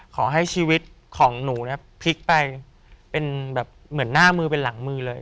ขอให้ชีวิตของหนูเนี่ยพลิกไปเป็นแบบเหมือนหน้ามือเป็นหลังมือเลย